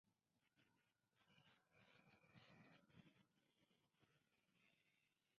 It is on the Atlantic coast about south of Aftissat.